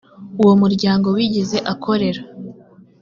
uwo muryango wigeze akorera